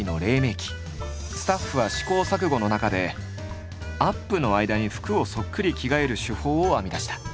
スタッフは試行錯誤の中でアップの間に服をそっくり着替える手法を編み出した。